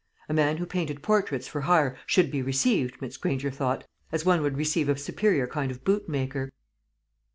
A man who painted portraits for hire should be received, Miss Granger thought, as one would receive a superior kind of bootmaker.